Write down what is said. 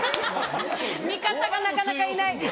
味方がなかなかいない。